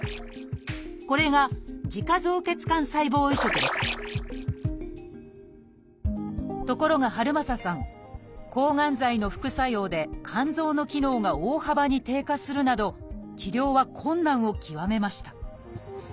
これが「自家造血幹細胞移植」ですところが遥政さん抗がん剤の副作用で肝臓の機能が大幅に低下するなど治療は困難を極めました。